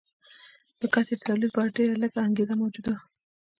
د ګټې د تولید لپاره ډېره لږه انګېزه موجوده وه